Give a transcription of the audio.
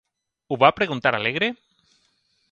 Ho va preguntar alegre?